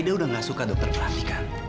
aida udah gak suka dokter perhatikan